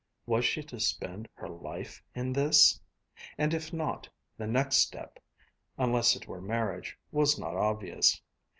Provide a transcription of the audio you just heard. Was she to spend her life in this? And if not, the next step, unless it were marriage, was not obvious.